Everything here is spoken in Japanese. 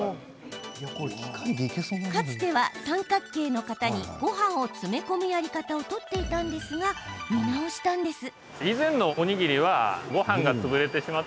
かつては三角形の型にごはんを詰め込むやり方を取っていたんですが見直したんです。